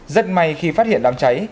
rất may khi phát hiện đám cháy